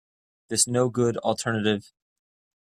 This no good alternative.